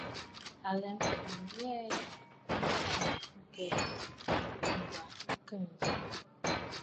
À lɛ mfɛ̀ʼɛ̀, ŋghə mə kɨ ghɛ̀ɛ̀, Ŋ̀gwà a khê ǹzi.